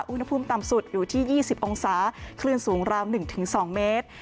อุณหภูมิต่ำสุดอยู่ที่๒๐องศาคลื่นสูงราว๑๒เมตร